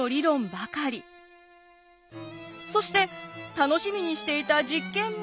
そして楽しみにしていた実験も。